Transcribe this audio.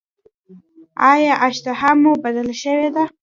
ایا اشتها مو بدله شوې ده؟